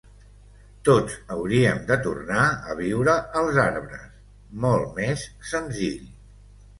Tots hauríem de tornar a viure als arbres, molt més senzill.